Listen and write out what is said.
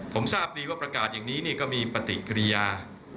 ผมทราบดีว่าประกาศอย่างนี้นี่ก็มีปฏิกิริยา